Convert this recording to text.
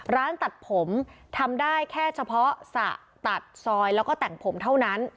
ร้านตัดผมทำได้แค่เฉพาะสระตัดซอยแล้วก็แต่งผมเท่านั้น